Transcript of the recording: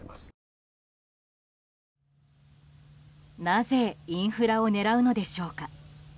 なぜインフラを狙うんでしょうか。